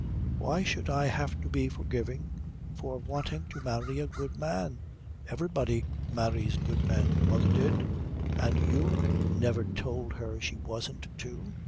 "Why should I have to be forgiven for wanting to marry a good man? Everybody marries good men. Mother did, and you never told her she wasn't to.